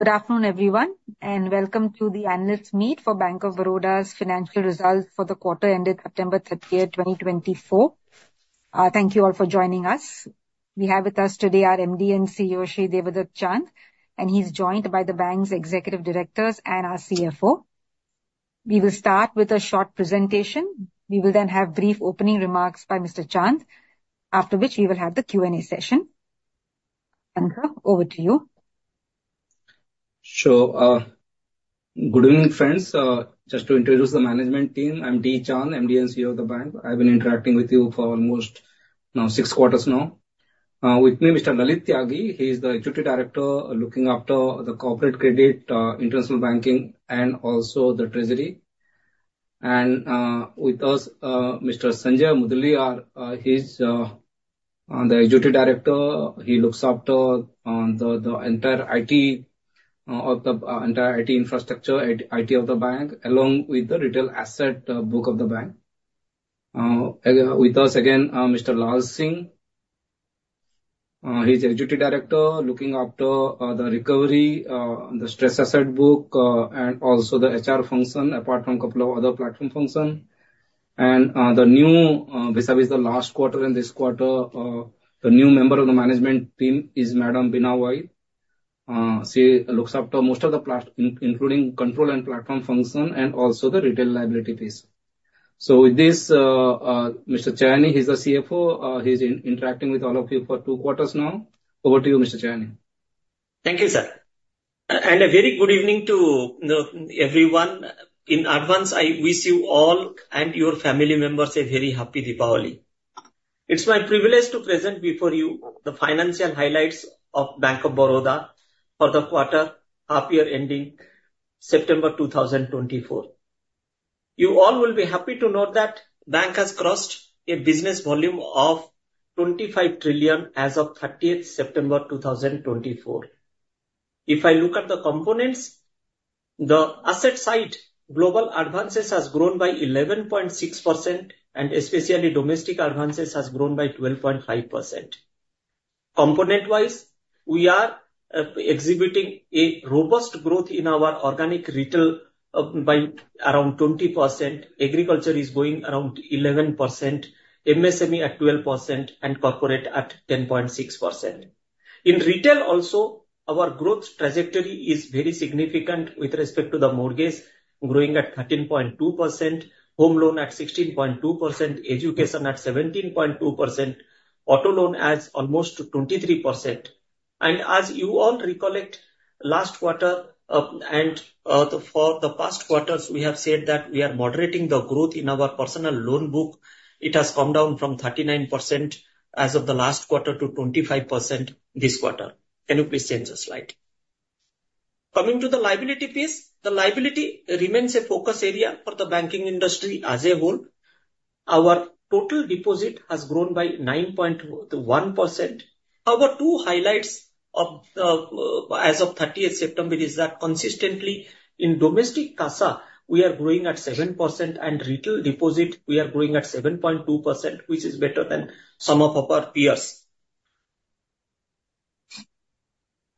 Good afternoon, everyone, and welcome to the analyst meet for Bank of Baroda's financial results for the quarter ended September 30th, 2024. Thank you all for joining us. We have with us today our MD and CEO, Shri Debadatta Chand, and he's joined by the bank's executive directors and our CFO. We will start with a short presentation. We will then have brief opening remarks by Mr. Chand, after which we will have the Q&A session. Over to you. Sure. Good evening, friends. Just to introduce the management team, I'm D. Chand, MD and CEO of the bank. I've been interacting with you for almost six quarters. With me, Mr. Lalit Tyagi, he's the Executive Director, looking after the corporate credit, international banking, and also the treasury. And with us, Mr. Sanjay Mudaliar, our Executive Director. He looks after the entire IT infrastructure and IT of the bank, along with the retail asset book of the bank. Again, with us, Mr. Lal Singh, he's Executive Director, looking after the recovery, the stress asset book, and also the HR function, apart from a couple of other platform function. The new vis-a-vis the last quarter and this quarter, the new member of the management team is Madam Beena Vaheed. She looks after most of the platform including control and platform function and also the retail liability piece. So with this, Mr. Chayani, he's the CFO. He's interacting with all of you for two quarters now. Over to you, Mr. Chayani. Thank you, sir. And a very good evening to, you know, everyone. In advance, I wish you all and your family members a very happy Diwali. It's my privilege to present before you the financial highlights of Bank of Baroda for the quarter half year ending September 2024. You all will be happy to note that Bank has crossed a business volume of 25 trillion as of 30th September 2024. If I look at the components, the asset side, global advances has grown by 11.6%, and especially domestic advances has grown by 12.5%. Component-wise, we are exhibiting a robust growth in our organic retail by around 20%. Agriculture is growing around 11%, MSME at 12%, and corporate at 10.6%. In retail also, our growth trajectory is very significant with respect to the mortgage, growing at 13.2%, home loan at 16.2%, education at 17.2%, auto loan at almost 23%. And as you all recollect, last quarter, and for the past quarters, we have said that we are moderating the growth in our personal loan book. It has come down from 39% as of the last quarter to 25% this quarter. Can you please change the slide? Coming to the liability piece, the liability remains a focus area for the banking industry as a whole. Our total deposit has grown by 9.1%. Our two highlights of the as of 30th September is that consistently in Domestic CASA, we are growing at 7%, and retail deposit, we are growing at 7.2%, which is better than some of our peers.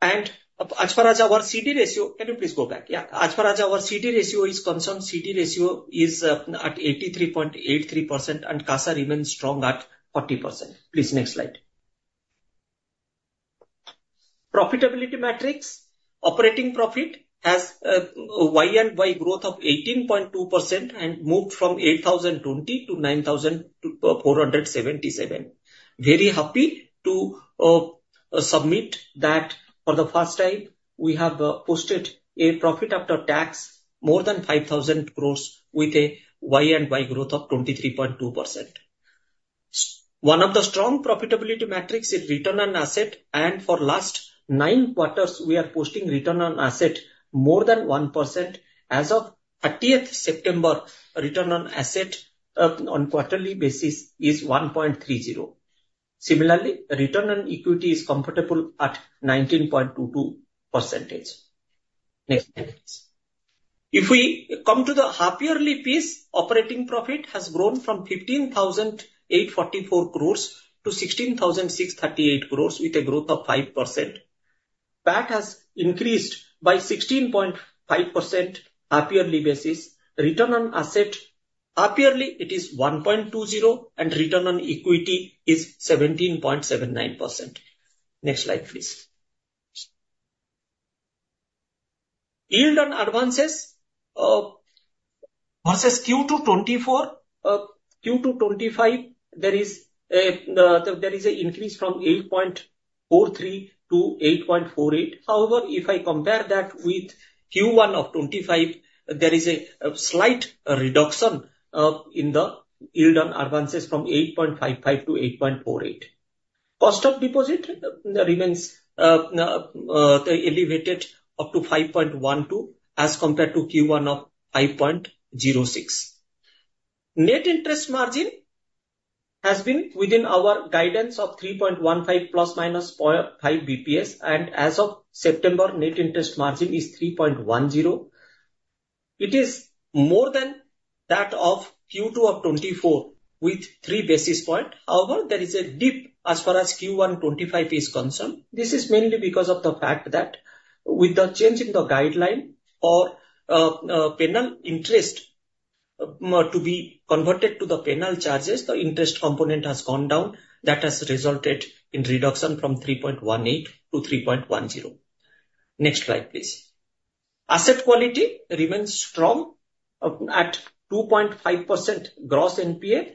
And as far as our CD ratio. Can you please go back? Yeah. As far as our CD ratio is concerned, CD ratio is at 83.83%, and CASA remains strong at 40%. Please, next slide. Profitability metrics. Operating profit has year-over-year growth of 18.2% and moved from 8,020 crore to 9,477 crore. Very happy to submit that for the first time, we have posted a profit after tax more than 5,000 crores with a year-over-year growth of 23.2%. One of the strong profitability metrics is return on assets, and for last nine quarters, we are posting return on assets more than 1%. As of 30th September, return on assets on quarterly basis is 1.30%. Similarly, return on equity is comfortable at 19.22%. Next slide. If we come to the half-yearly picture, operating profit has grown from 15,844 crores to 16,638 crores, with a growth of 5%. That has increased by 16.5% half-yearly basis. Return on assets half-yearly it is 1.20%, and return on equity is 17.79%. Next slide, please. Yield on advances versus Q2 2024, Q2 2025, there is a increase from 8.43% to 8.48%. However, if I compare that with Q1 of 2025, there is a slight reduction in the yield on advances from 8.55% to 8.48%. Cost of deposit remains elevated up to 5.12%, as compared to Q1 of 5.06%. Net interest margin has been within our guidance of 3.15% ±4 or 5 basis points, and as of September, net interest margin is 3.10%. It is more than that of Q2 of 2024, with 3 basis points. However, there is a dip as far as Q1 2025 is concerned. This is mainly because of the fact that with the change in the guideline or penal interest to be converted to the penal charges, the interest component has gone down. That has resulted in reduction from 3.18% to 3.10%. Next slide, please. Asset quality remains strong at 2.5% gross NPA.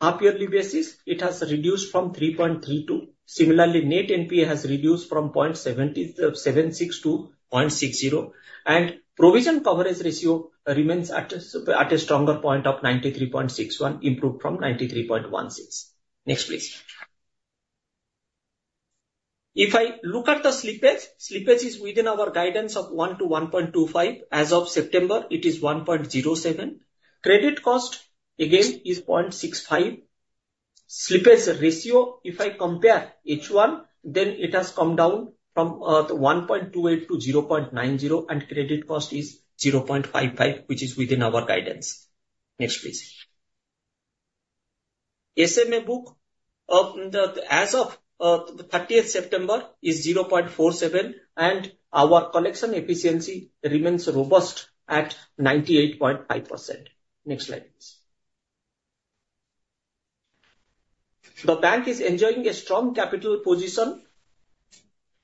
Half-yearly basis, it has reduced from 3.32%. Similarly, Net NPA has reduced from 0.776% to 0.60%, and provision coverage ratio remains at a stronger point of 93.61%, improved from 93.16%. Next, please. If I look at the slippage, slippage is within our guidance of 1% to 1.25%. As of September, it is 1.07%. Credit cost, again, is 0.65%. Slippage ratio, if I compare H1, then it has come down from 1.28% to 0.90%, and credit cost is 0.55%, which is within our guidance. Next, please. SMA book of the, as of, the 30th September, is 0.47%, and our collection efficiency remains robust at 98.5%. Next slide, please. The bank is enjoying a strong capital position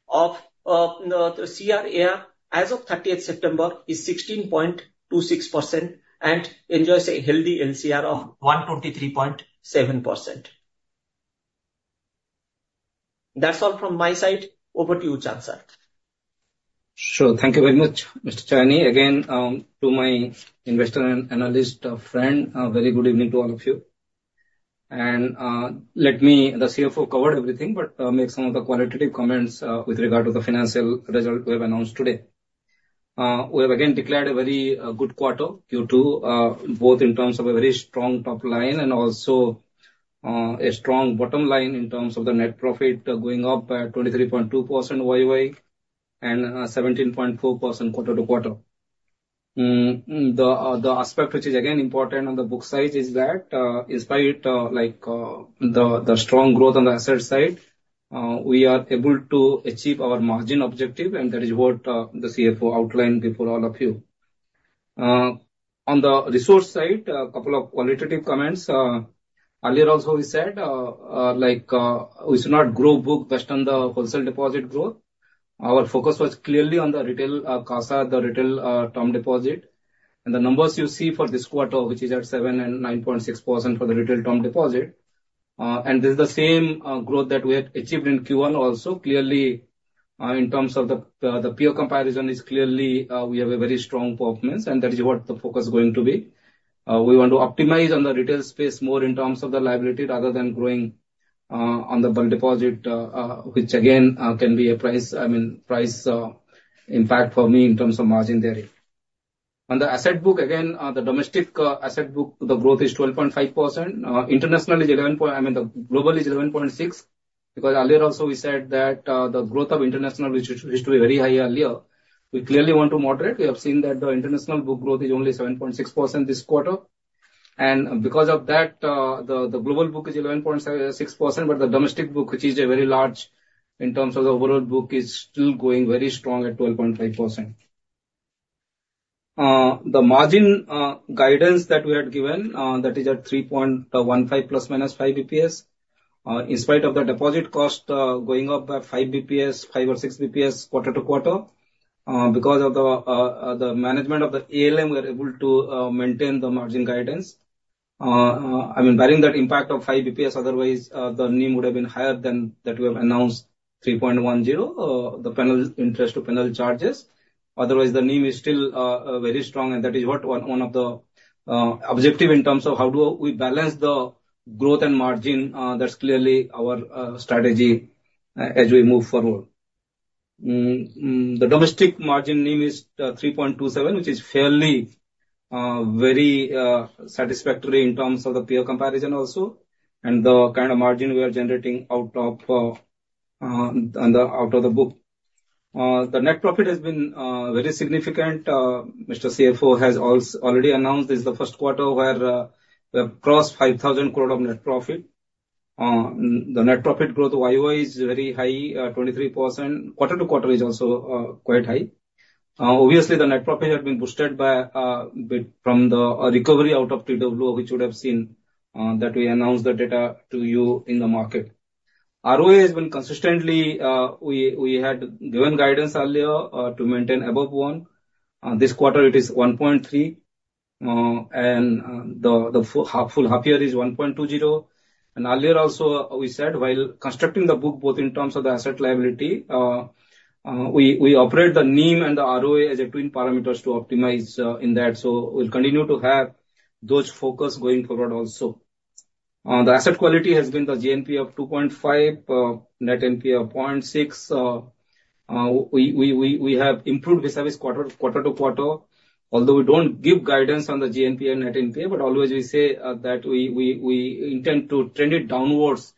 of, the CRAR, as of 30th September, is 16.26% and enjoys a healthy LCR of 123.7%. That's all from my side. Over to you, Chand, sir. Sure. Thank you very much, Mr. Chand. Again, to my investor and analyst friend, a very good evening to all of you. The CFO covered everything, but make some of the qualitative comments with regard to the financial result we have announced today. We have again declared a very good quarter, Q2, both in terms of a very strong top line and also a strong bottom line in terms of the net profit going up by 23.2% year-over-year, and 17.4% quarter-to-quarter. The aspect which is again important on the book side is that, in spite, like, the strong growth on the asset side, we are able to achieve our margin objective, and that is what the CFO outlined before all of you. On the resource side, a couple of qualitative comments. Earlier also we said, like, we should not grow book based on the wholesale deposit growth. Our focus was clearly on the retail, CASA, the retail Term Deposit. And the numbers you see for this quarter, which is at 7% and 9.6% for the retail Term Deposit, and this is the same, growth that we have achieved in Q1 also. Clearly, in terms of the pure comparison is clearly, we have a very strong performance, and that is what the focus is going to be. We want to optimize on the retail space more in terms of the liability, rather than growing on the bulk deposit, which again can be a price, I mean, price impact for me in terms of margin there. On the asset book, again, the domestic asset book, the growth is 12.5%. International is 11.6%, I mean, the global is 11.6%, because earlier also we said that the growth of international, which used to be very high earlier, we clearly want to moderate. We have seen that the international book growth is only 7.6% this quarter. Because of that, the global book is 11.6%, but the domestic book, which is a very large in terms of the overall book, is still growing very strong at 12.5%. The margin guidance that we had given, that is at 3.15 ±5 basis points. In spite of the deposit cost going up by 5 basis points, 5 or 6 basis points quarter-to-quarter, because of the management of the ALM, we are able to maintain the margin guidance. I mean, barring that impact of 5 basis points, otherwise, the NIM would have been higher than that we have announced 3.10%, the penal interest to penal charges. Otherwise, the NIM is still very strong, and that is what one of the objective in terms of how do we balance the growth and margin, that's clearly our strategy as we move forward. The domestic margin NIM is 3.27%, which is fairly very satisfactory in terms of the peer comparison also, and the kind of margin we are generating out of out of the book. The net profit has been very significant. Mr. CFO has already announced this is the first quarter where we have crossed 5,000 crore of net profit. The net profit growth year-over-year is very high 23%. Quarter-to-quarter is also quite high. Obviously, the net profit has been boosted by from the recovery out of technical write-offs, which would have seen that we announced the data to you in the market. ROE has been consistently. We had given guidance earlier to maintain above 1%. This quarter it is 1.3%, and the half full half year is 1.20%. And earlier also, we said while constructing the book, both in terms of the asset liability we operate the NIM and the ROA as twin parameters to optimize in that. So we'll continue to have those focus going forward also. The asset quality has been the GNPA of 2.5%, Net NPA of 0.6%. We have improved this quarter-to-quarter, although we don't give guidance on the GNPA and Net NPA, but always we say that we intend to trend it downwards,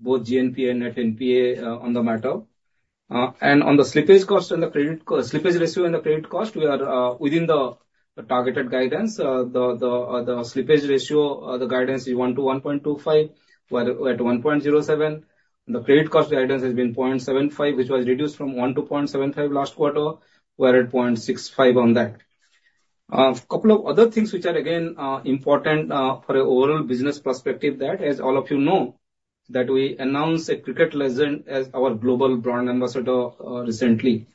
both GNPA and Net NPA, on the matter. And on the slippage ratio and the credit cost slippage ratio and the credit cost, we are within the targeted guidance. The slippage ratio, the guidance is 1% to 1.25%, we're at 1.07%. The credit cost guidance has been 0.75%, which was reduced from 1% to 0.75% last quarter, we're at 0.65% on that. A couple of other things which are again important for the overall business perspective, that as all of you know, that we announced a cricket legend as our global brand ambassador recently.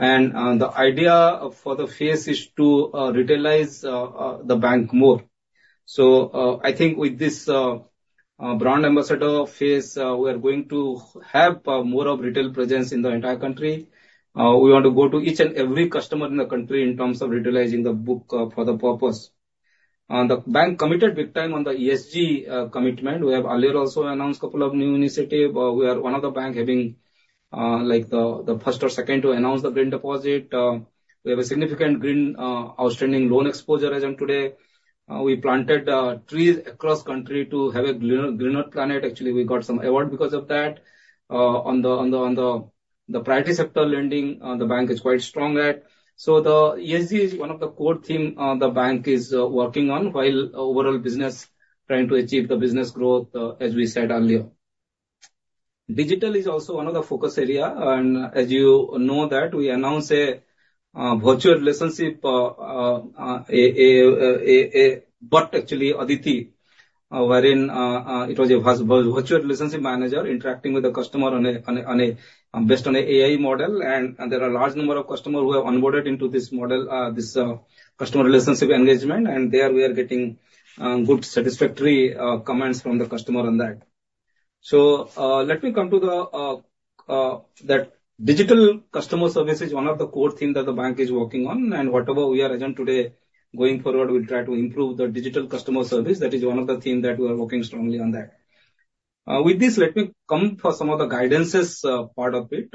The idea for the phase is to retailize the bank more. I think with this brand ambassador phase we are going to have more of retail presence in the entire country. We want to go to each and every customer in the country in terms of retailizing the book for the purpose. The bank committed big time on the ESG commitment. We have earlier also announced a couple of new initiative. We are one of the bank having like the first or second to announce the green deposit. We have a significant green outstanding loan exposure as on today. We planted trees across country to have a greener greener planet. Actually, we got some award because of that. On the priority sector lending, the bank is quite strong at. So the ESG is one of the core theme the bank is working on, while overall business trying to achieve the business growth, as we said earlier. Digital is also another focus area, and as you know that we announce a virtual relationship, but actually Aditi, wherein it was a virtual relationship manager interacting with the customer based on a AI model, and there are a large number of customers who are onboarded into this model, this customer relationship engagement, and there we are getting good, satisfactory comments from the customer on that. So, let me come to that digital customer service is one of the core theme that the bank is working on, and whatever we are as on today, going forward, we'll try to improve the digital customer service. That is one of the theme that we are working strongly on that. With this, let me come for some of the guidances, part of it.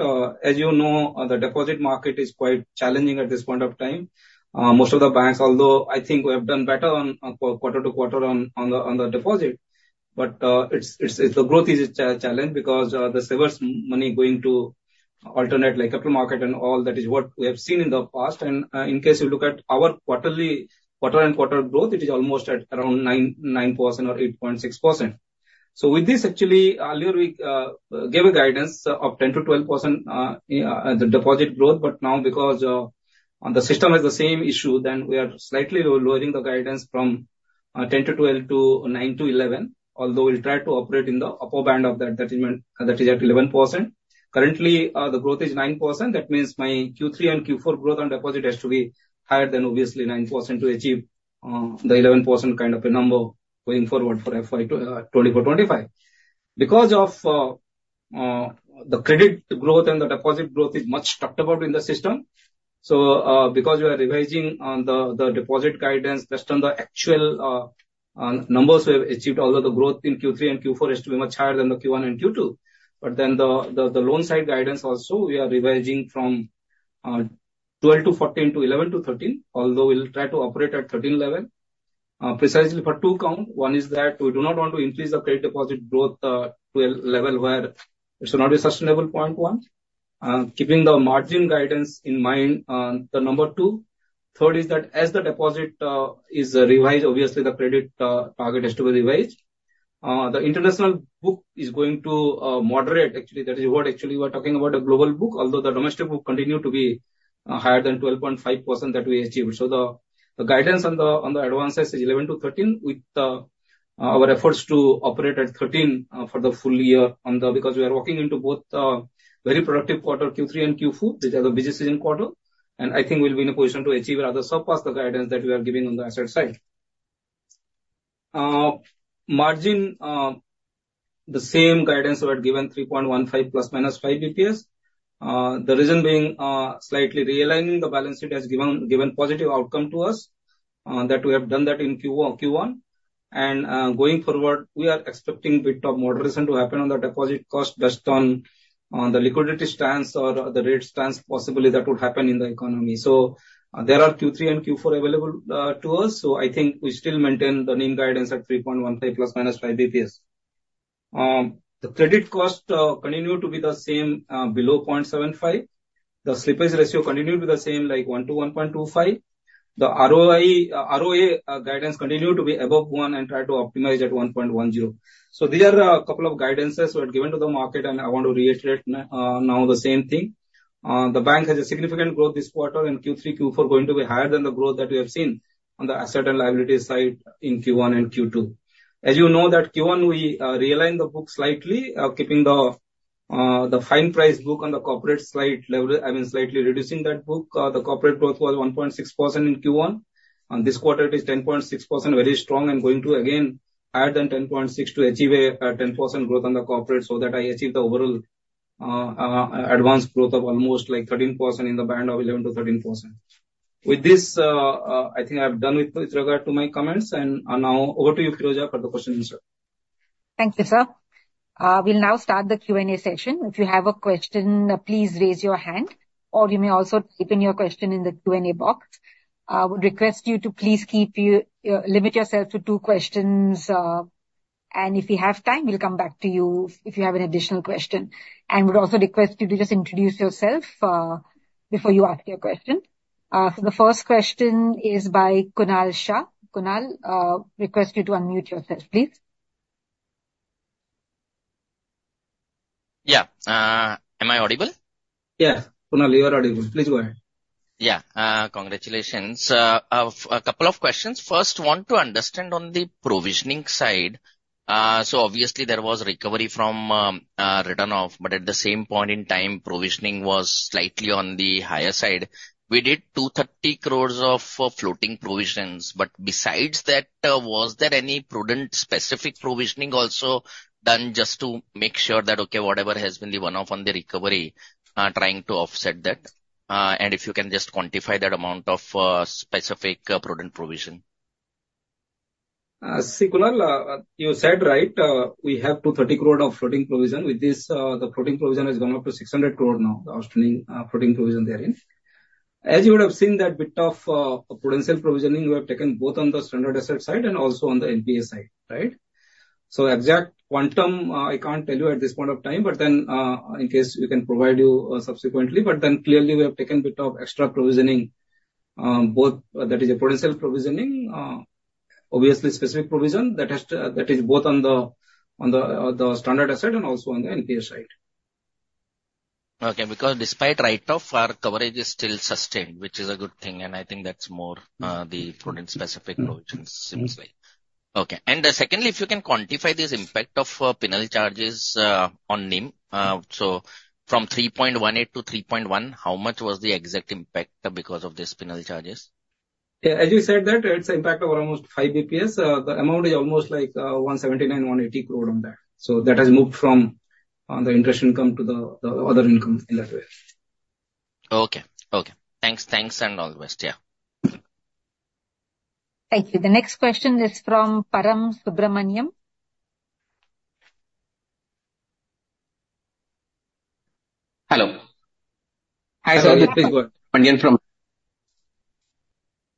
As you know, the deposit market is quite challenging at this point of time. Most of the banks, although I think we have done better on quarter to quarter on the deposit, but it's a challenge because the savers' money going to alternatives, like capital market and all that is what we have seen in the past. In case you look at our quarterly, quarter-on-quarter growth, it is almost at around 9% or 8.6%. So with this, actually, earlier we gave a guidance of 10-12%, yeah, the deposit growth, but now because on the system has the same issue, then we are slightly lowering the guidance from 10-12% to 9%-11%, although we'll try to operate in the upper band of that, that is, that is at 11%. Currently, the growth is 9%. That means my Q3 and Q4 growth on deposit has to be higher than obviously 9% to achieve the 11% kind of a number going forward for FY 2024/2025. Because of the credit growth and the deposit growth is much talked about in the system. Because we are revising the deposit guidance based on the actual numbers we have achieved, although the growth in Q3 and Q4 has to be much higher than the Q1 and Q2, but then the loan side guidance also, we are revising from 12%-14% to 11%-13%, although we'll try to operate at 13% level, precisely for two counts. One is that we do not want to increase the credit deposit growth to a level where it should not be sustainable, point one. Keeping the margin guidance in mind, the number two. Third is that as the deposit is revised, obviously the credit target has to be revised. The international book is going to moderate. Actually, that is what actually we are talking about, a global book, although the domestic book continue to be higher than 12.5% that we achieved. So the guidance on the advances is 11%-13%, with our efforts to operate at 13% for the full year on the because we are working into both very productive quarters, Q3 and Q4, which are the busy season quarters, and I think we'll be in a position to achieve rather surpass the guidance that we are giving on the asset side. Margin, the same guidance we had given 3.15% plus minus five basis points. The reason being, slightly realigning the balance sheet has given given positive outcome to us that we have done that in Q1. Going forward, we are expecting bit of moderation to happen on the deposit cost based on the liquidity stance or the rate stance, possibly that would happen in the economy. So there are Q3 and Q4 available to us, so I think we still maintain the NIM guidance at 3.15% ±5 basis points. The credit cost continue to be the same below 0.75%. The slippage ratio continue to be the same, like 1%-1.25%. The ROA guidance continue to be above 1% and try to optimize at 1.10%. So these are a couple of guidances we had given to the market, and I want to reiterate now the same thing. The bank has a significant growth this quarter in Q3, Q4, going to be higher than the growth that we have seen on the asset and liability side in Q1 and Q2. As you know, that Q1, we realigned the book slightly, keeping the fine price book on the corporate side level. I mean, slightly reducing that book. The corporate growth was 1.6% in Q1, and this quarter it is 10.6%, very strong, and going to again higher than 10.6% to achieve a 10% growth on the corporate, so that I achieve the overall advance growth of almost like 13% in the band of 11%-13%. With this, I think I'm done with regard to my comments, and now over to you, Foram, for the question and answer. Thank you, sir. We'll now start the Q&A session. If you have a question, please raise your hand or you may also type in your question in the Q&A box. I would request you to please limit yourself to two questions, and if we have time, we'll come back to you if you have an additional question, and we'd also request you to just introduce yourself before you ask your question. So the first question is by Kunal Shah. Kunal, request you to unmute yourself, please. Yeah. Am I audible? Yes, Kunal, you are audible. Please go ahead. Yeah. Congratulations. A couple of questions. First, want to understand on the provisioning side. So obviously, there was recovery from written off, but at the same point in time, provisioning was slightly on the higher side. We did 230 crores of floating provisions, but besides that, was there any prudent specific provisioning also done just to make sure that, okay, whatever has been the one-off on the recovery, trying to offset that? And if you can just quantify that amount of specific prudent provision. See, Kunal, you said right, we have 230 crore of floating provision. With this, the floating provision has gone up to 600 crore now, the outstanding floating provision therein. As you would have seen, that bit of prudential provisioning, we have taken both on the standard asset side and also on the NPA side, right? So exact quantum, I can't tell you at this point of time, but then, in case we can provide you subsequently. But then clearly, we have taken a bit of extra provisioning, both, that is a prudential provisioning, obviously, specific provision that is both on the standard asset and also on the NPA side. Okay, because despite write-off, our coverage is still sustained, which is a good thing, and I think that's more, the prudent specific approach, it seems like. Okay. And secondly, if you can quantify this impact of penalty charges on NIM, so from 3.18% to 3.1%, how much was the exact impact because of these penalty charges? Yeah, as you said that, it's an impact of almost 5 basis points. The amount is almost like, 179 crore-180 crore on that. So that has moved from, the interest income to the, the other income in that way. Okay. Okay. Thanks. Thanks, and all the best. Yeah. Thank you. The next question is from Param Subramanian. Hello. Hi, Param. Please go ahead.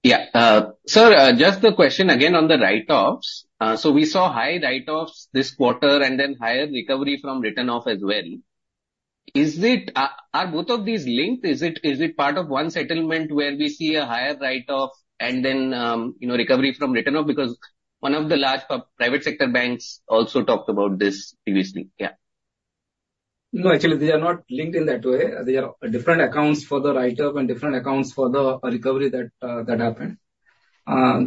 Yeah, sir, just a question again on the write-offs. So we saw high write-offs this quarter, and then higher recovery from written off as well. Is it, are both of these linked? Is it, is it part of one settlement where we see a higher write-off and then, you know, recovery from written off? Because one of the large private sector banks also talked about this previously. Yeah. No, actually, they are not linked in that way. They are different accounts for the write-off and different accounts for the recovery that that happened.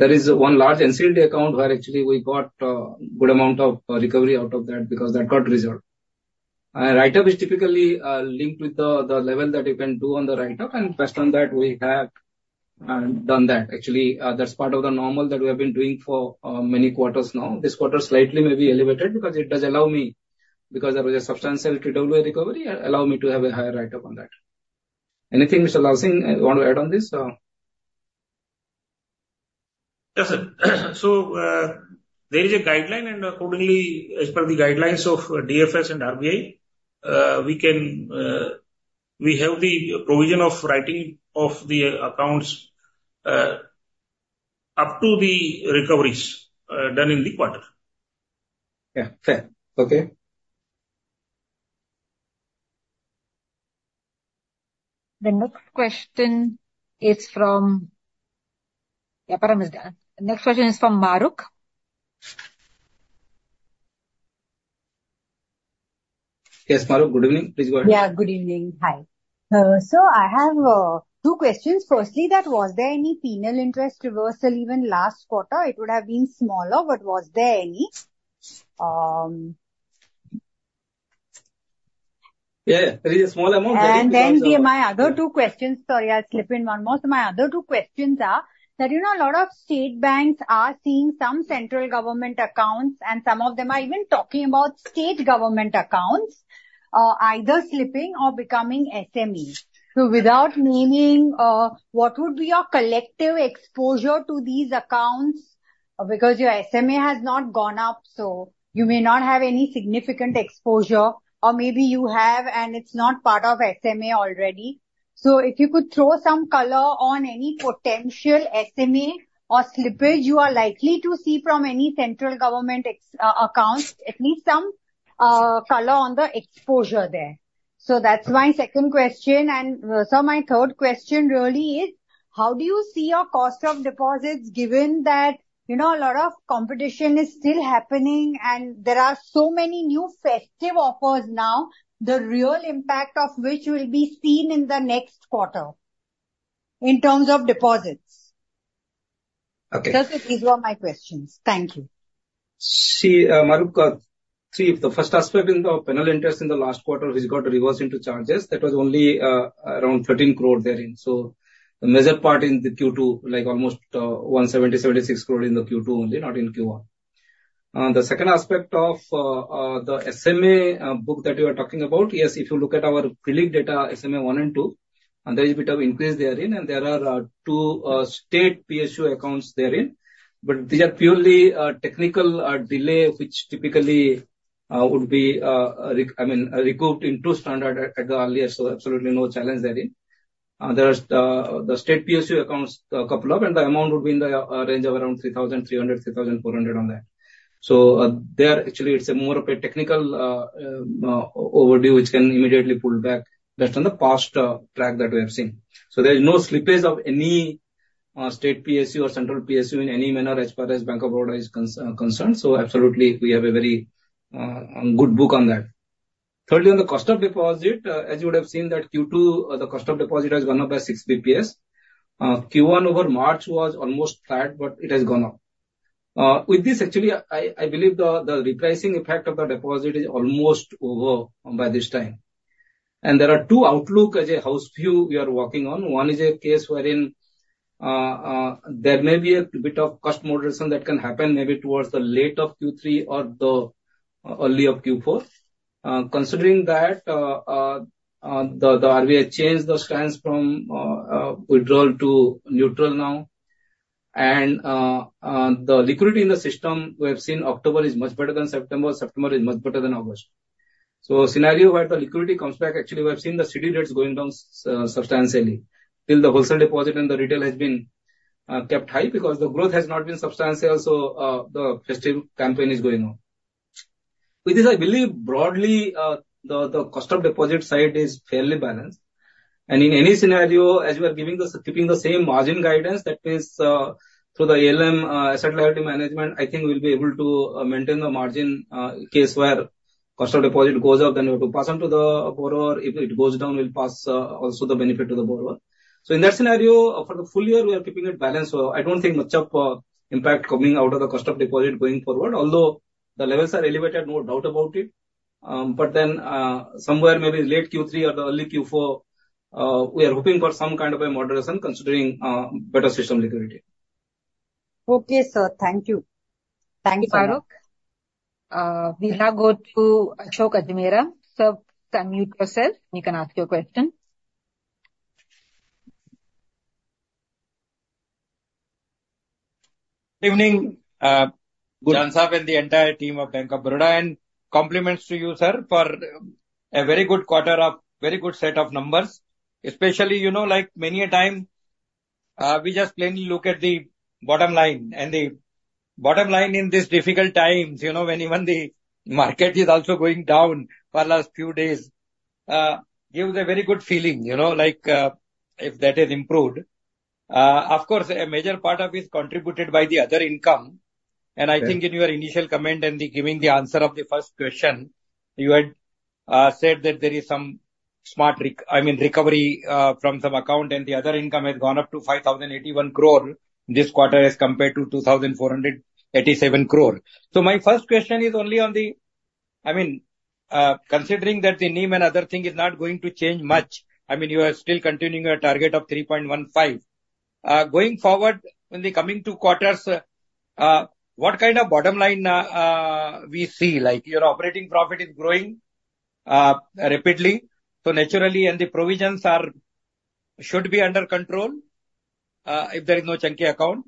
There is one large NCD account where actually we got a good amount of recovery out of that because that got resolved. Write-off is typically linked with the level that you can do on the write-off, and based on that, we have done that. Actually, that's part of the normal that we have been doing for many quarters now. This quarter slightly may be elevated because it does allow me, because there was a substantial TWO recovery, allow me to have a higher write-off on that. Anything, Mr. Lal Singh, you want to add on this? Yes, sir. So, there is a guideline, and accordingly, as per the guidelines of DFS and RBI, we can, we have the provision of writing off the accounts, up to the recoveries, done in the quarter. Yeah, fair. Okay. The next question is from... Yeah, Param is done. The next question is from Mahrukh. Yes, Mahrukh, good evening. Please go ahead. Yeah, good evening. Hi. So I have two questions. Firstly, that was there any penal interest reversal even last quarter? It would have been smaller, but was there any- Yeah, there is a small amount- And then, my other two questions, so yeah, slip in one more. So my other two questions are, that you know a lot of state banks are seeing some central government accounts, and some of them are even talking about state government accounts either slipping or becoming SMEs. So without naming, what would be your collective exposure to these accounts? Because your SMA has not gone up, so you may not have any significant exposure, or maybe you have, and it's not part of SMA already. So if you could throw some color on any potential SMA or slippage you are likely to see from any central government accounts, at least some color on the exposure there. So that's my second question. So my third question really is: how do you see your cost of deposits, given that, you know, a lot of competition is still happening, and there are so many new festive offers now, the real impact of which will be seen in the next quarter in terms of deposits? So these were my questions. Thank you. See, Mahrukh, see, if the first aspect in the penal interest in the last quarter has got reversed into charges, that was only around 13 crore therein. So the major part in the Q2, like almost 176 crore in the Q2 only, not in Q1. The second aspect of the SMA book that you are talking about, yes, if you look at our prelim data, SMA1+2, and there is a bit of increase therein, and there are two state PSU accounts therein. But these are purely technical delay, which typically would be, I mean, recouped into standard at the earliest, so absolutely no challenge therein. There's the state PSU accounts, couple of, and the amount would be in the range of around 3,300-3,400 on that. So there actually it's a more of a technical overdue, which can immediately pull back. That's on the past track that we have seen. So there is no slippage of any state PSU or central PSU in any manner as far as Bank of Baroda is concerned. So absolutely, we have a very good book on that. Thirdly, on the cost of deposit, as you would have seen that Q2, the cost of deposit has gone up by 6 basis points. Q1 over March was almost flat, but it has gone up. With this, actually, I believe the repricing effect of the deposit is almost over by this time, and there are two outlooks as a house view we are working on. One is a case wherein there may be a bit of cost moderation that can happen maybe towards the late of Q3 or the early of Q4. Considering that, the RBI changed the stance from withdrawal to neutral now, and the liquidity in the system, we have seen October is much better than September, September is much better than August, so scenario where the liquidity comes back, actually, we have seen the CD rates going down substantially, till the wholesale deposit and the retail has been kept high because the growth has not been substantial, so the festive campaign is going on. With this, I believe, broadly, the cost of deposit side is fairly balanced, and in any scenario, as we are keeping the same margin guidance, that is, through the ALM, Asset Liability Management, I think we'll be able to maintain the margin, case where cost of deposit goes up, then we have to pass on to the borrower. If it goes down, we'll pass also the benefit to the borrower, so in that scenario, for the full year, we are keeping it balanced, so I don't think much of impact coming out of the cost of deposit going forward. Although the levels are elevated, no doubt about it, but then somewhere maybe late Q3 or the early Q4, we are hoping for some kind of a moderation, considering better system liquidity. Okay, sir. Thank you. Thank you, Mahrukh. We now go to Ashok Ajmera. Sir, unmute yourself. You can ask your question. Evening, good afternoon, sir, and the entire team of Bank of Baroda, and compliments to you, sir, for a very good quarter of very good set of numbers. Especially, you know, like many a time, we just plainly look at the bottom line, and the bottom line in these difficult times, you know, when even the market is also going down for the last few days, gives a very good feeling, you know, like, if that is improved. Of course, a major part of is contributed by the other income. I think in your initial comment and the giving the answer of the first question, you had said that there is some recovery, I mean, recovery from some account, and the other income has gone up to 5,081 crore this quarter as compared to 2,487 crore. So my first question is only on the, I mean, considering that the NIM and other thing is not going to change much, I mean, you are still continuing your target of 3.15%? Going forward, in the coming two quarters, what kind of bottom line we see? Like, your operating profit is growing rapidly, so naturally, and the provisions should be under control if there is no chunky account.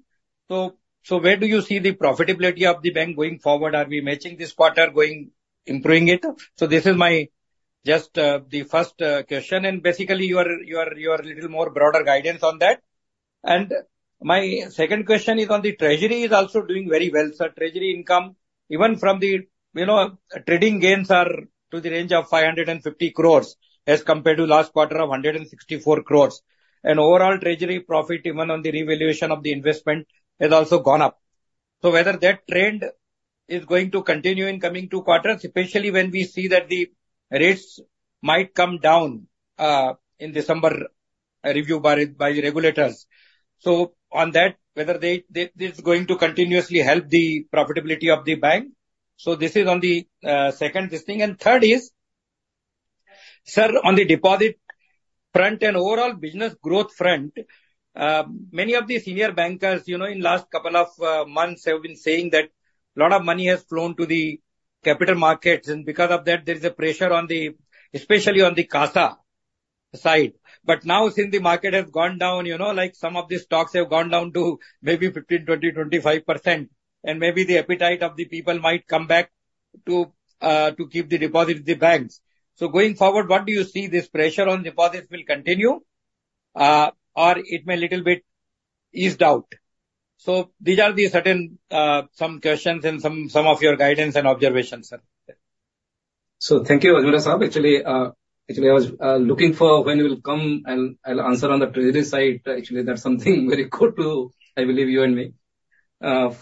So where do you see the profitability of the bank going forward? Are we matching this quarter, going, improving it? So this is my just, the first, question, and basically, your little more broader guidance on that. And my second question is on the treasury is also doing very well, sir. Treasury income, even from the, you know, trading gains are to the range of 550 crores, as compared to last quarter of 164 crores. And overall treasury profit, even on the revaluation of the investment, has also gone up. So whether that trend is going to continue in coming two quarters, especially when we see that the rates might come down, in December, a review by the regulators. So on that, whether they this is going to continuously help the profitability of the bank. So this is on the, second this thing. And third is, sir, on the deposit front and overall business growth front, many of the senior bankers, you know, in last couple of months have been saying that a lot of money has flown to the capital markets, and because of that, there is a pressure on the, especially on the CASA side. But now, since the market has gone down, you know, like some of the stocks have gone down to maybe 15%-25%, and maybe the appetite of the people might come back to keep the deposit with the banks. So going forward, what do you see this pressure on deposits will continue, or it may little bit eased out? So these are the certain, some questions and some of your guidance and observations, sir. Thank you, Ajmera Saab. Actually, actually, I was looking for when you will come, and I'll answer on the treasury side. Actually, that's something very good to, I believe you and me.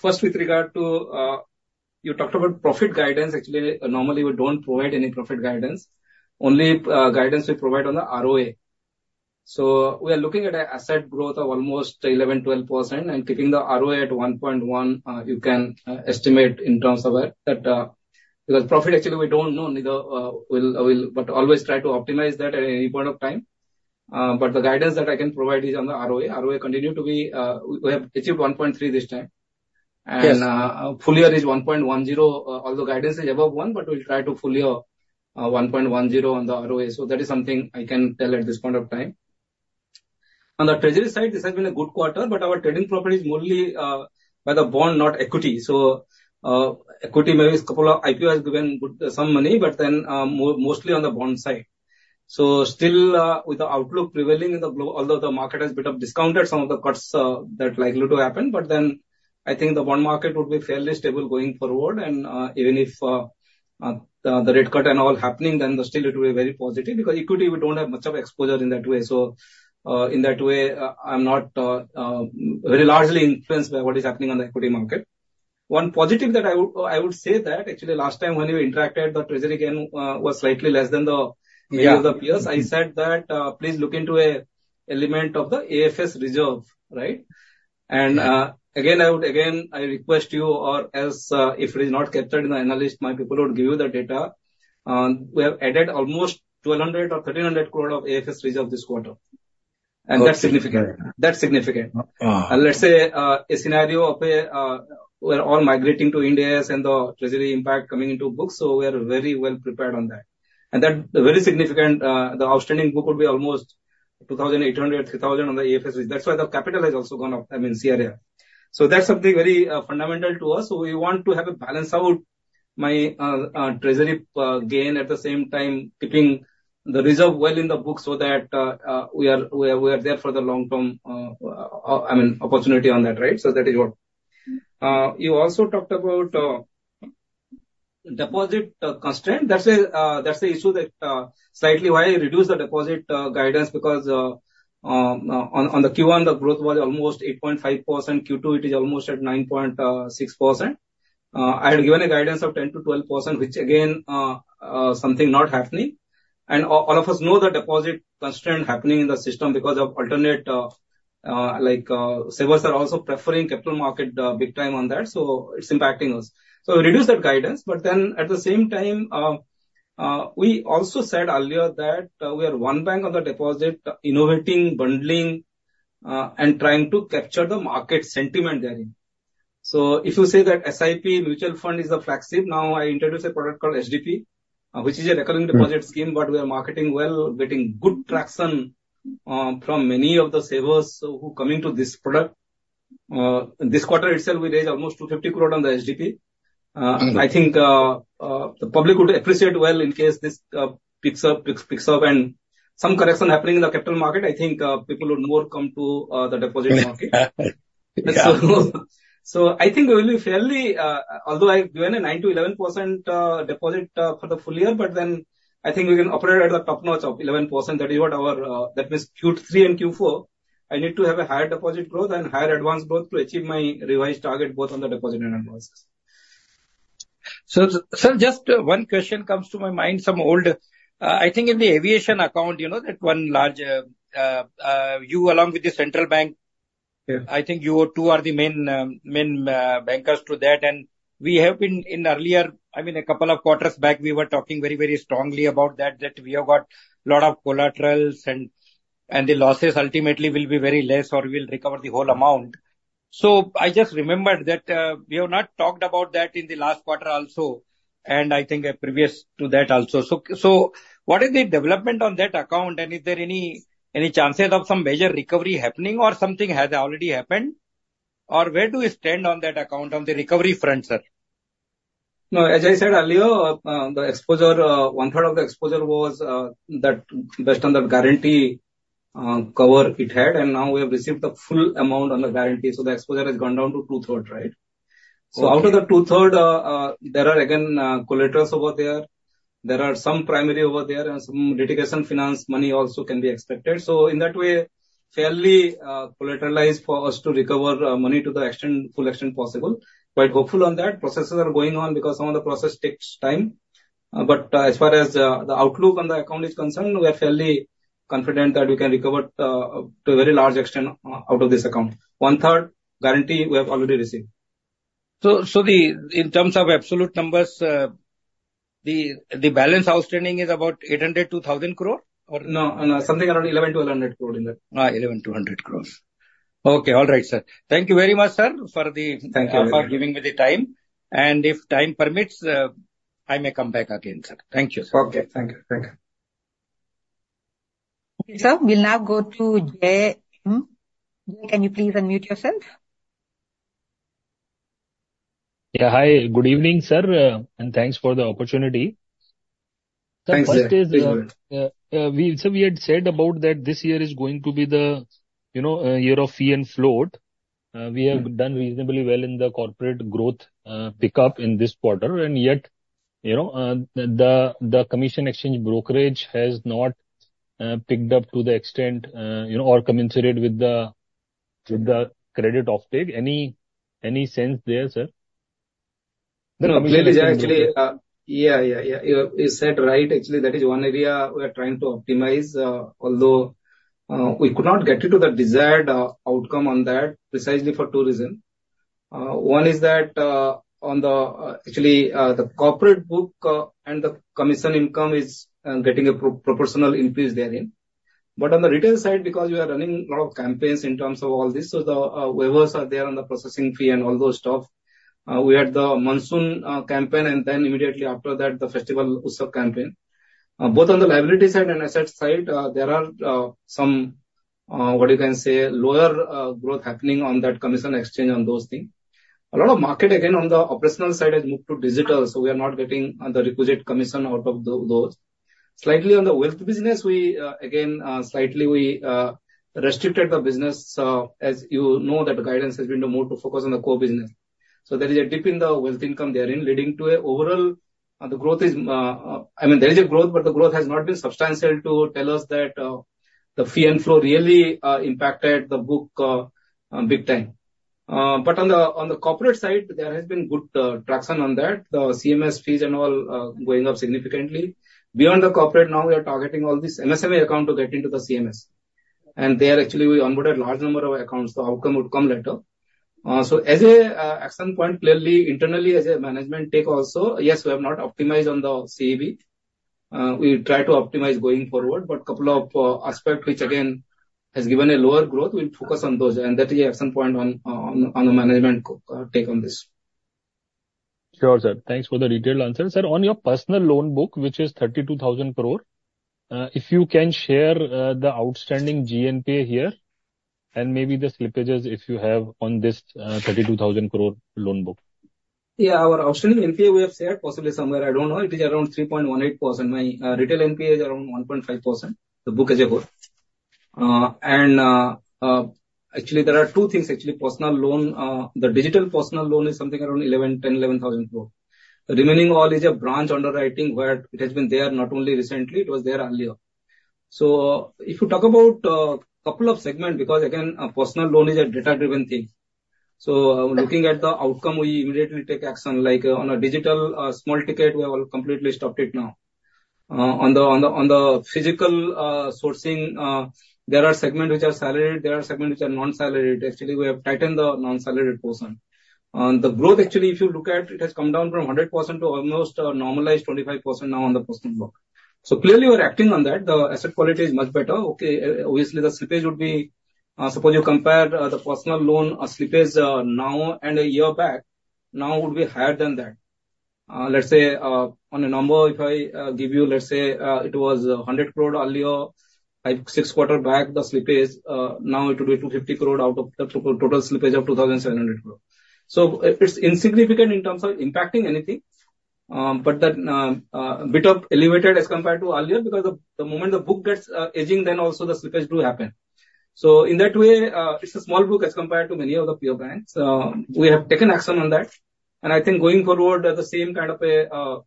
First, with regard to, you talked about profit guidance. Actually, normally, we don't provide any profit guidance. Only, guidance we provide on the ROA. So we are looking at an asset growth of almost 11%-12%, and keeping the ROA at 1.1%, you can estimate in terms of that. Because profit, actually, we don't know, neither we will, but always try to optimize that at any point of time. But the guidance that I can provide is on the ROA. ROA continue to be, we have achieved 1.3% this time. Full year is 1.10%. Although guidance is above one, but we'll try to full year 1.10% on the ROA. So that is something I can tell at this point of time. On the treasury side, this has been a good quarter, but our trading profit is mostly by the bond, not equity. So equity, maybe a couple of IPOs has given good some money, but then mostly on the bond side. So still, with the outlook prevailing in the global, although the market has a bit discounted some of the cuts that are likely to happen, but then I think the bond market would be fairly stable going forward, and even if the rate cut and all happening, then still it will be very positive, because equity, we don't have much of exposure in that way. So, in that way, I'm not very largely influenced by what is happening on the equity market. One positive that I would say that actually last time when we interacted, the treasury gain was slightly less than the peers. I said that, please look into an element of the AFS reserve, right? Again, I request you or else, if it is not captured in the analyst, my people would give you the data. We have added almost 1,200-1,300 crore of AFS reserve this quarter. That's significant. That's significant. Let's say a scenario of a we're all migrating to Ind AS and the treasury impact coming into books, so we are very well prepared on that. That very significant, the outstanding book would be almost 2,800 crore-3,000 crore on the AFS. That's why the capital has also gone up, I mean, CRA. That's something very fundamental to us. We want to have a balance out my treasury gain, at the same time, keeping the reserve well in the book so that we are there for the long term, I mean, opportunity on that, right? That is what. You also talked about deposit constraint. That's a, that's the issue that slightly why I reduced the deposit guidance because on the Q1, the growth was almost 8.5%. Q2, it is almost at 9.6%. I had given a guidance of 10%-12%, which again something not happening. And all of us know the deposit constraint happening in the system because of alternate like savers are also preferring capital market big time on that, so it's impacting us. So reduce that guidance, but then at the same time we also said earlier that we are one bank on the deposit, innovating, bundling and trying to capture the market sentiment therein. If you say that SIP mutual fund is the flagship, now I introduce a product called SDP, which is a recurring deposit scheme, but we are marketing well, getting good traction, from many of the savers who are coming to this product. This quarter itself, we raised almost 250 crore on the SDP. I think the public would appreciate well in case this picks up and some correction happening in the capital market. I think people would more come to the deposit market. So I think we will be fairly. Although I've given a 9%-11% deposit for the full year, but then I think we can operate at the top notch of 11%. That is what our. That means Q3 and Q4, I need to have a higher deposit growth and higher advance growth to achieve my revised target, both on the deposit and advances. So, just one question comes to my mind, some old. I think in the aviation account, you know, that one large, you along with the Central Bank. I think you two are the main bankers to that. And we have been in earlier, I mean, a couple of quarters back, we were talking very, very strongly about that, that we have got a lot of collaterals and the losses ultimately will be very less or we'll recover the whole amount. So I just remembered that, we have not talked about that in the last quarter also, and I think previous to that also. So what is the development on that account, and is there any chances of some major recovery happening or something has already happened? Or where do we stand on that account on the recovery front, sir? No, as I said earlier, the exposure, 1/3 of the exposure was that based on the guarantee coverage it had, and now we have received the full amount on the guarantee, so the exposure has gone down to two-thirds, right? So out of 2/3, there are again collaterals over there. There are some primary over there and some litigation finance money also can be expected. So in that way, fairly collateralized for us to recover money to the extent, full extent possible. Quite hopeful on that. Processes are going on, because some of the process takes time. But as far as the outlook on the account is concerned, we are fairly confident that we can recover to a very large extent out of this account. 1/3 guarantee we have already received. So, in terms of absolute numbers, the balance outstanding is about 800 crore- 2,000 crore or? No, something around 11 crore to 100 crore in that. 11 crore-100 crores. Okay. All right, sir. Thank you very much, sir, for the- Thank you. for giving me the time. And if time permits, I may come back again, sir. Thank you, sir. Okay. Thank you. Thank you. Sir, we'll now go to Jay. Jay, can you please unmute yourself? Yeah, hi, good evening, sir, and thanks for the opportunity. Thanks, Jay. Very good. So we had said about that this year is going to be the, you know, year of fee and float. We have done reasonably well in the corporate growth pickup in this quarter, and yet, you know, the commission exchange brokerage has not picked up to the extent, you know, or commensurate with the credit uptake. Any sense there, sir? Actually. Yeah, yeah, yeah. You said right. Actually, that is one area we are trying to optimize, although we could not get it to the desired outcome on that, precisely for two reason. One is that, on the actually the corporate book, and the commission income is getting a proportional increase therein. But on the retail side, because we are running a lot of campaigns in terms of all this, so the waivers are there on the processing fee and all those stuff. We had the monsoon campaign, and then immediately after that, the Festival Utsav campaign. Both on the liability side and asset side, there are what you can say, lower growth happening on that commission exchange on those things. A lot of market, again, on the operational side, has moved to digital, so we are not getting the requisite commission out of those. Slightly on the wealth business, we again slightly restricted the business. So as you know, that guidance has been to more to focus on the core business. So there is a dip in the wealth income therein, leading to a overall the growth is, I mean, there is a growth, but the growth has not been substantial to tell us that the fee and flow really impacted the book big time. But on the corporate side, there has been good traction on that. The CMS fees and all going up significantly. Beyond the corporate, now we are targeting all these MSME account to get into the CMS, and there actually we onboard a large number of accounts, the outcome would come later. So as an action point, clearly, internally, as a management take also, yes, we have not optimized on the CEB. We try to optimize going forward, but couple of aspect, which again has given a lower growth, we'll focus on those and that is an action point on the management to take on this. Sure, sir. Thanks for the detailed answer. Sir, on your personal loan book, which is 32,000 crore, if you can share the outstanding GNPA here, and maybe the slippages, if you have, on this 32,000 crore loan book? Yeah, our outstanding NPA, we have shared possibly somewhere, I don't know. It is around 3.18%. My retail NPA is around 1.5%. The book as a whole. And actually, there are two things, actually. Personal loan, the digital personal loan is something around 10,000 crore-11,000 crore. The remaining all is a branch underwriting, where it has been there, not only recently, it was there earlier. So if you talk about couple of segment, because again, a personal loan is a data-driven thing. So looking at the outcome, we immediately take action, like on a digital small ticket, we have all completely stopped it now. On the physical sourcing, there are segments which are salaried, there are segments which are non-salaried. Actually, we have tightened the non-salaried portion. The growth, actually, if you look at, it has come down from 100% to almost a normalized 25% now on the personal book. So clearly, we're acting on that. The asset quality is much better. Obviously, the slippage would be, suppose you compare, the personal loan slippage now and a year back, now would be higher than that. Let's say, on a number, if I give you, let's say, it was 100 crore earlier, five, six quarters back, the slippage, now it would be 250 crore out of the total slippage of 2,700 crore. So it's insignificant in terms of impacting anything, but that bit of elevated as compared to earlier, because the moment the book gets aging, then also the slippage do happen. So in that way, it's a small book as compared to many other peer banks. We have taken action on that, and I think going forward, the same kind of a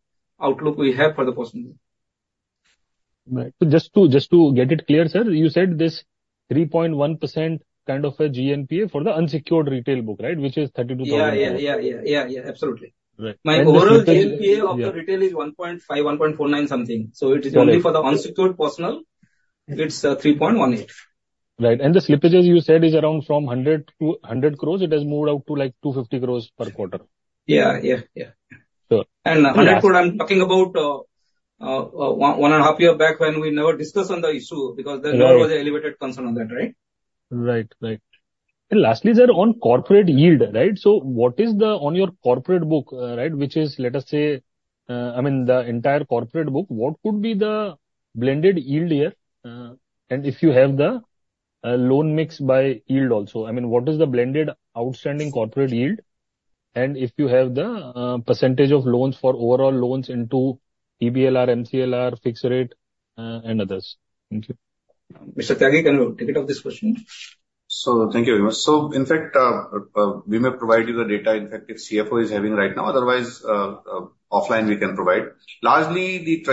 outlook we have for the personal bank. Right. Just to get it clear, sir, you said this 3.1% kind of a GNPA for the unsecured retail book, right? Which is 32,000 crore? Yeah, yeah, yeah, yeah, yeah, absolutely. Right. My overall GNPA of the retail is 1.5%, 1.49% something. So it is only for the unsecured personal; it's 3.18%. Right. And the slippages you said is around from 100 crore-200 crores. It has moved out to, like, 250 crores per quarter? Yeah, yeah, yeah. Sure. And 100 crore, I'm talking about, one and a half year back when we never discussed on the issue, because there never was an elevated concern on that, right? Right. Right. And lastly, sir, on corporate yield, right? So what is the-- on your corporate book, right, which is, let us say, I mean, the entire corporate book, what could be the blended yield here? And if you have the, loan mix by yield also. I mean, what is the blended outstanding corporate yield, and if you have the, percentage of loans for overall loans into EBLR, MCLR, fixed rate, and others. Thank you. Mr. Tyagi, can you take it up this question? Thank you very much. In fact, we may provide you the data, in fact, if CFO is having right now, otherwise, offline we can provide. Largely the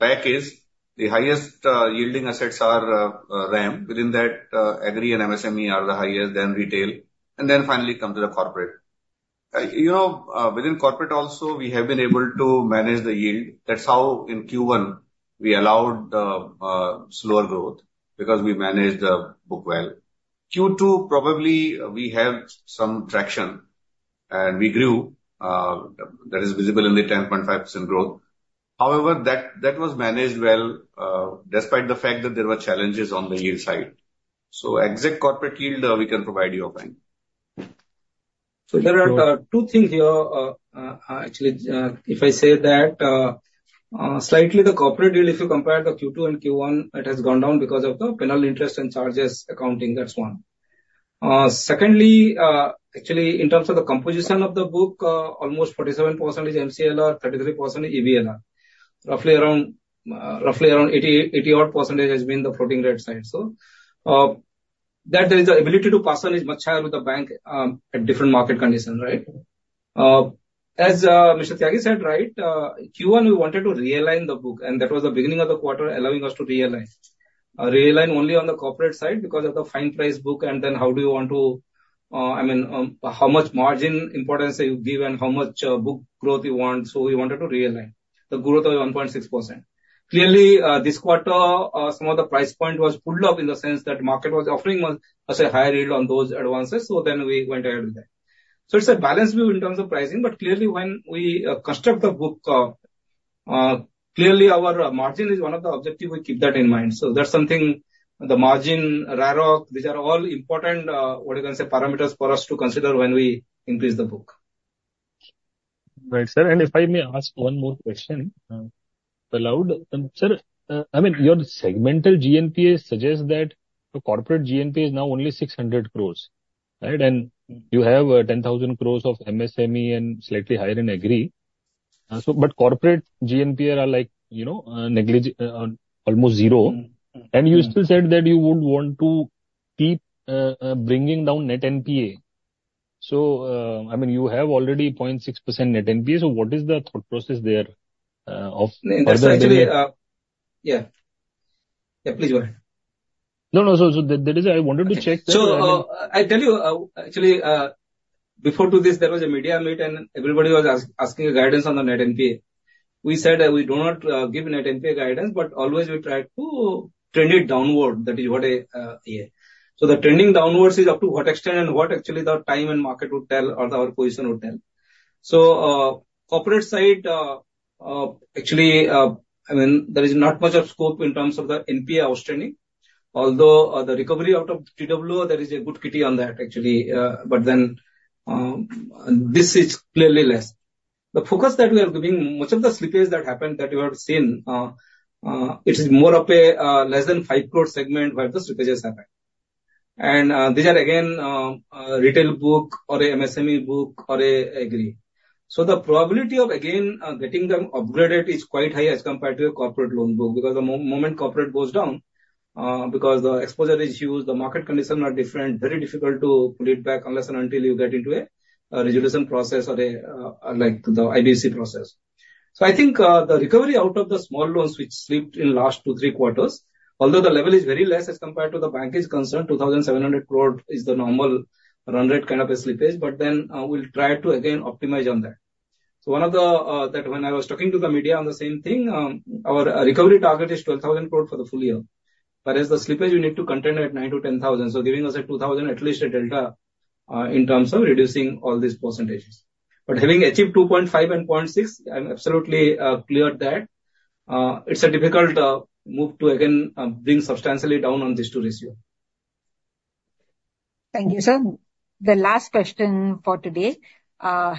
pack is the highest yielding assets are RAM. Within that, agri and MSME are the highest, then retail, and then finally come to the corporate. You know, within corporate also, we have been able to manage the yield. That's how in Q1, we allowed the slower growth, because we managed the book well. Q2, probably, we have some traction, and we grew, that is visible in the 10.5% growth. However, that was managed well, despite the fact that there were challenges on the yield side. Exact corporate yield, we can provide you, okay? So there are two things here, actually, slightly the corporate yield, if you compare the Q2 and Q1, it has gone down because of the penal interest and charges accounting. That's one. Secondly, actually, in terms of the composition of the book, almost 47% is MCLR, 33% is EBLR. Roughly around 80-odd% has been the floating rate side. So that there is a ability to pass on is much higher with the bank at different market conditions, right? As Mr. Tyagi said, right, Q1, we wanted to realign the book, and that was the beginning of the quarter, allowing us to realign. Realign only on the corporate side because of the fine price book, and then how do you want to, I mean, how much margin importance you give and how much book growth you want. So we wanted to realign. The growth was 1.6%. Clearly, this quarter, some of the price point was pulled up in the sense that market was offering us a higher yield on those advances, so then we went ahead with that. So it's a balanced view in terms of pricing, but clearly, when we construct the book, clearly, our margin is one of the objective we keep that in mind. So that's something, the margin, RAROC, these are all important, what you can say, parameters for us to consider when we increase the book. Right, sir, and if I may ask one more question, if allowed. Sir, I mean, your segmental GNPA suggests that the corporate GNPA is now only 600 crores, right? And you have, 10,000 crores of MSME and slightly higher in agri. So but corporate GNPA are like, you know, almost zero. You still said that you would want to keep bringing down Net NPA. So, I mean, you have already 0.6% Net NPA, so what is the thought process there of further- That's actually, Yeah. Yeah, please go ahead. No, no, so, so that is why I wanted to check. So, I tell you, actually, before to this, there was a media meet, and everybody was asking guidance on the Net NPA. We said that we do not give Net NPA guidance, but always we try to trend it downward. That is what, yeah. So the trending downwards is up to what extent and what actually the time and market would tell or our position would tell. So, corporate side, actually, I mean, there is not much of scope in terms of the NPA outstanding, although, the recovery out of TWO, there is a good kitty on that, actually. But then, this is clearly less. The focus that we are giving, much of the slippage that happened that you have seen, it is more of a less than 5 crore segment where the slippages happened. And these are again retail book or a MSME book or a agri. So the probability of again getting them upgraded is quite high as compared to a corporate loan book, because the moment corporate goes down, because the exposure is huge, the market conditions are different, very difficult to pull it back unless and until you get into a resolution process or a like the IBC process. I think the recovery out of the small loans which slipped in last two, three quarters, although the level is very less as compared to the bank is concerned, 2,700 crore is the normal run rate kind of a slippage, but then we'll try to again optimize on that. One of the that when I was talking to the media on the same thing, our recovery target is 12,000 crore for the full year, whereas the slippage we need to contend at 9,000 crore-10,000 crore. Giving us a 2,000 crore at least a delta in terms of reducing all these percentages. But having achieved 2.5% and 2.6%, I'm absolutely clear that it's a difficult move to again bring substantially down on these two ratio. Thank you, sir. The last question for today, will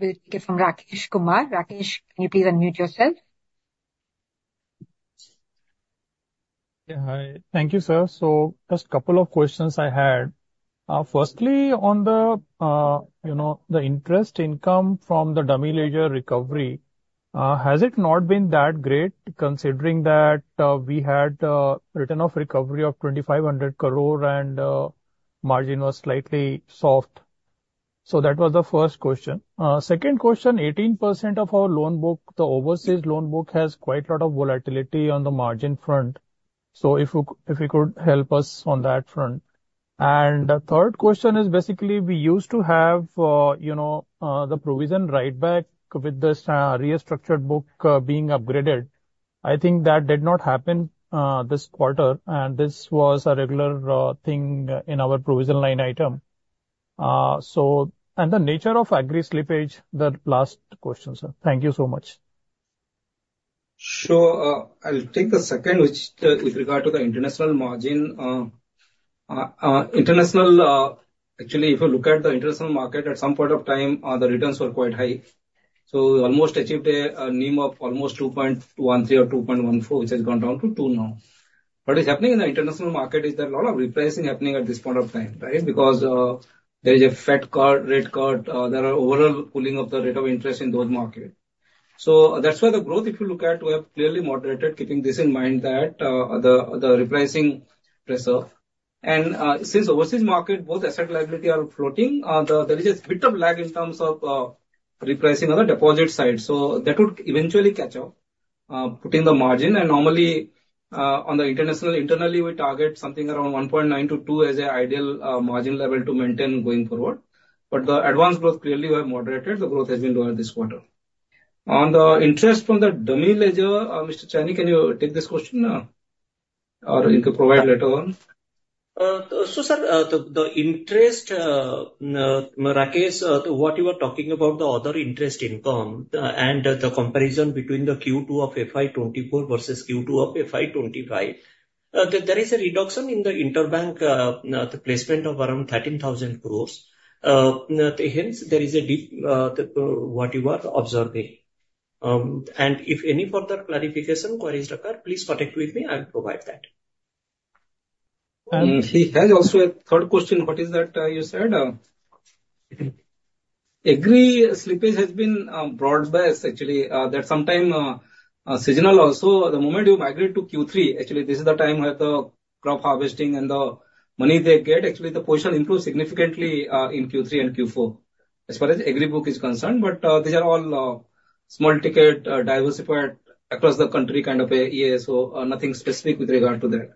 take it from Rakesh Kumar. Rakesh, can you please unmute yourself? Yeah, hi. Thank you, sir. So just couple of questions I had. Firstly, on the, you know, the interest income from the dummy ledger recovery, has it not been that great, considering that, we had, written off recovery of 2,500 crore and, margin was slightly soft? So that was the first question. Second question, 18% of our loan book, the overseas loan book, has quite a lot of volatility on the margin front. So if you, if you could help us on that front. And the third question is basically, we used to have, you know, the provision write back with this, restructured book, being upgraded. I think that did not happen, this quarter, and this was a regular, thing in our provision line item. So and the nature of agri slippage, the last question, sir. Thank you so much. Sure. I'll take the second, which, with regard to the international margin. International, actually, if you look at the international market, at some point of time, the returns were quite high. So we almost achieved a NIM of almost 2.13% or 2.14%, which has gone down to 2% now. What is happening in the international market is that a lot of repricing happening at this point of time, right? Because, there is a Fed cut, rate cut, there are overall pulling of the rate of interest in those market. So that's why the growth, if you look at, we have clearly moderated, keeping this in mind that, the, the repricing pressure. Since overseas market, both asset liability are floating, there is a bit of lag in terms of repricing on the deposit side, so that would eventually catch up, putting the margin. And normally, on the international, internally, we target something around 1.9% to 2% as a ideal margin level to maintain going forward. But the advance growth, clearly we have moderated, the growth has been lower this quarter. On the interest from the dummy ledger, Mr. Chayani, can you take this question, or you could provide later on? So, sir, the interest, Rakesh, what you are talking about, the other interest income, and the comparison between the Q2 of FY 2024 versus Q2 of FY 2025, there is a reduction in the interbank placement of around 13,000 crore. Hence there is a dip in what you are observing. And if any further clarification queries required, please contact with me, I will provide that. And he has also a third question. What is that, you said? Agri slippage has been brought back actually, that sometime seasonal also. The moment you migrate to Q3, actually this is the time where the crop harvesting and the money they get, actually the position improved significantly in Q3 and Q4, as far as agri book is concerned. But these are all small ticket diversified across the country, kind of A&A, so nothing specific with regard to that.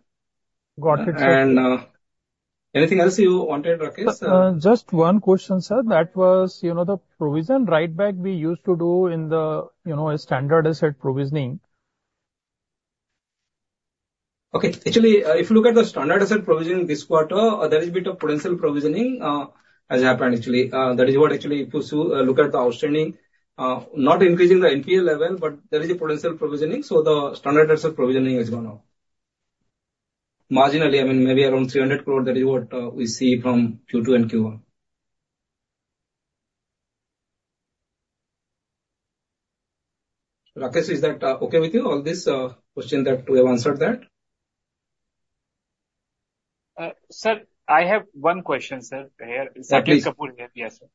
Got it. And, anything else you wanted, Rakesh? Just one question, sir. That was, you know, the provision write back we used to do in the, you know, a standard asset provisioning. Okay. Actually, if you look at the standard asset provisioning this quarter, there is a bit of prudential provisioning, has happened actually. That is what actually, if you look at the outstanding, not increasing the NPA level, but there is a prudential provisioning, so the standard asset provisioning has gone up marginally, I mean, maybe around 300 crore. That is what, we see from Q2 and Q1. Rakesh, is that, okay with you, all this, question that we have answered that? Sir, I have one question, sir, here. Yes, please. Kapil here. Yes, sir.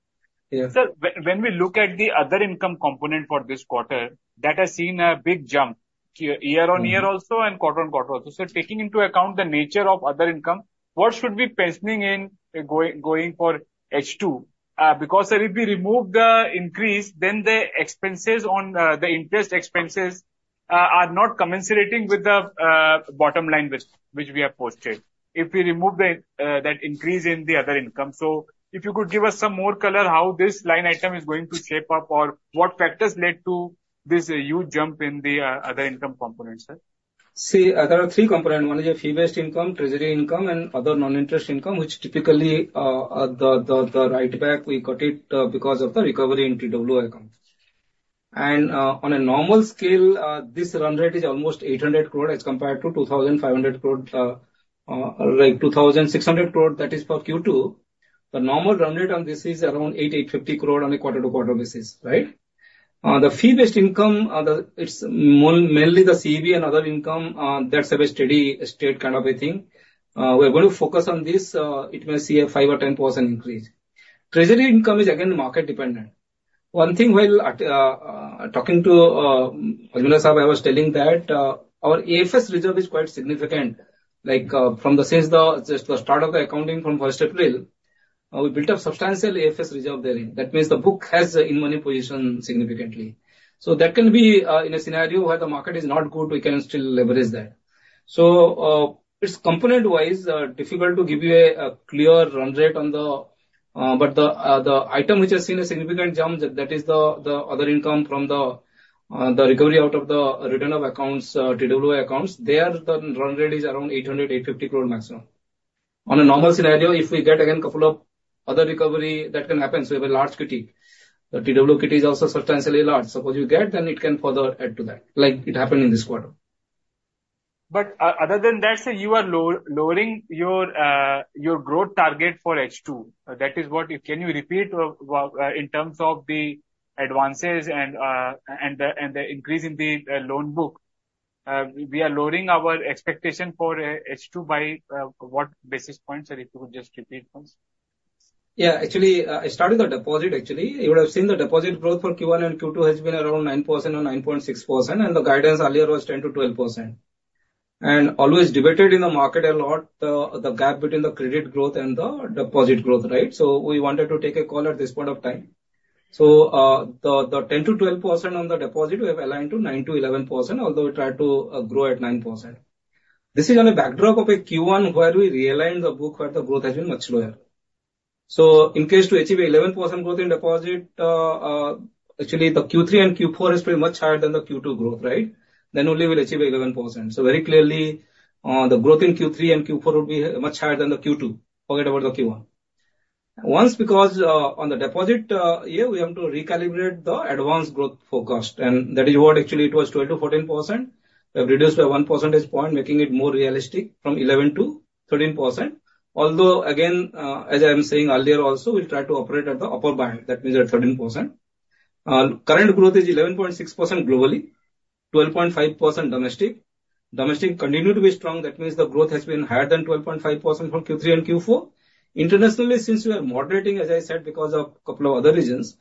Yes. Sir, when we look at the other income component for this quarter, that has seen a big jump year-on-year also and quarter-on-quarter. So taking into account the nature of other income, what should we be pricing in in going for H2? Because, sir, if we remove the increase, then the expenses on the interest expenses are not commensurating with the bottom line which we have posted, if we remove that increase in the other income. So if you could give us some more color, how this line item is going to shape up, or what factors led to this huge jump in the other income component, sir? See, there are three components. One is a fee-based income, treasury income, and other non-interest income, which typically the write back we got it because of the recovery in TWO accounts. On a normal scale, this run rate is almost 800 crore as compared to 2,500 crore, like 2,600 crore, that is for Q2. The normal run rate on this is around 850 crore on a quarter-to-quarter basis, right? The fee-based income, it's more mainly the CEB and other income, that's a steady state kind of a thing. We're going to focus on this, it may see a 5% or 10% increase. Treasury income is again, market dependent. One thing, while talking to Ashok Ajmera Saab, I was telling that our AFS reserve is quite significant. Like, since the start of the accounting from first April, we built up substantial AFS reserve therein. That means the book has an in-money position significantly. So that can be in a scenario where the market is not good, we can still leverage that. So, it's component-wise difficult to give you a clear run rate on the—but the item which has seen a significant jump, that is the other income from the recovery out of the written off accounts, TWO accounts, there, the run rate is around 800 crore-850 crore maximum. On a normal scenario, if we get again, couple of other recovery, that can happen. So we have a large kitty. The TWO kitty is also substantially large. Suppose you get, then it can further add to that, like it happened in this quarter. But other than that, sir, you are lowering your growth target for H2. That is what you... Can you repeat in terms of the advances and the increase in the loan book? We are lowering our expectation for H2 by what basis points? Sir, if you could just repeat please. Yeah. Actually, starting the deposit, actually, you would have seen the deposit growth for Q1 and Q2 has been around 9% or 9.6%, and the guidance earlier was 10%-12%. And always debated in the market a lot, the gap between the credit growth and the deposit growth, right? So we wanted to take a call at this point of time. So, the ten to twelve percent on the deposit, we have aligned to 9%-11%, although we try to grow at 9%. This is on a backdrop of a Q1, where we realigned the book, where the growth has been much lower. So in case to achieve 11% growth in deposit, actually, the Q3 and Q4 is pretty much higher than the Q2 growth, right? Then only we'll achieve 11%. So very clearly, the growth in Q3 and Q4 will be much higher than the Q2. Forget about the Q1. Once, because, on the deposit, year, we have to recalibrate the advance growth forecast, and that is what actually it was 12%-14%. We have reduced by one percentage point, making it more realistic from 11-13%. Although, again, as I'm saying earlier also, we'll try to operate at the upper band, that means at 13%. Current growth is 11.6% globally, 12.5% domestic. Domestic continue to be strong, that means the growth has been higher than 12.5% for Q3 and Q4. Internationally, since we are moderating, as I said, because of a couple of other reasons,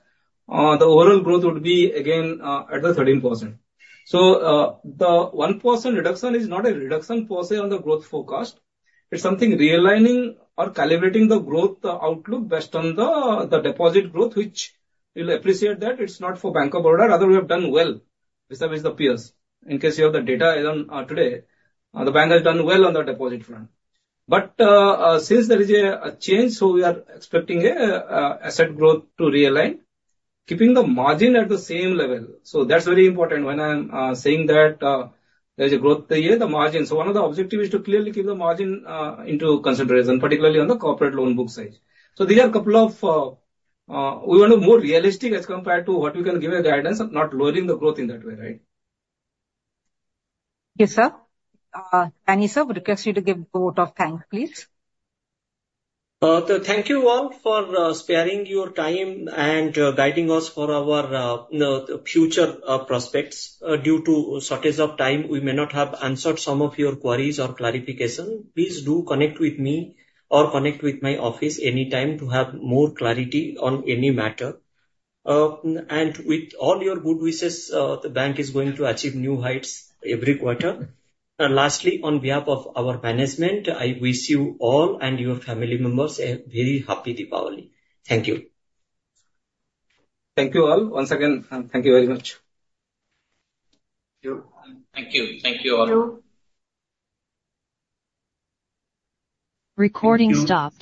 the overall growth would be again, at 13%. The 1% reduction is not a reduction per se on the growth forecast. It's something realigning or calibrating the growth outlook based on the deposit growth, which you'll appreciate that it's not for Bank of Baroda. Rather, we have done well vis-a-vis the peers. In case you have the data even today, the bank has done well on the deposit front. But since there is a change, so we are expecting asset growth to realign, keeping the margin at the same level. So that's very important when I'm saying that there's a growth here, the margin. So one of the objective is to clearly keep the margin into consideration, particularly on the corporate loan book side. So these are a couple of. We want to more realistic as compared to what we can give a guidance of not lowering the growth in that way, right? Yes, sir. Chayani sir, we request you to give vote of thanks, please. Thank you all for sparing your time and guiding us for our future prospects. Due to shortage of time, we may not have answered some of your queries or clarification. Please do connect with me or connect with my office anytime to have more clarity on any matter. And with all your good wishes, the bank is going to achieve new heights every quarter. And lastly, on behalf of our management, I wish you all and your family members a very happy Diwali. Thank you. Thank you all. Once again, thank you very much. Thank you. Thank you. Thank you all. Thank you.